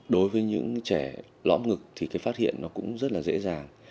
đối với những trẻ lõm ngực thì cái phát hiện nó cũng rất là dễ dàng